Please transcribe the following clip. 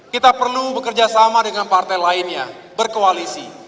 kita perlu bekerja sama dengan partai lainnya berkoalisi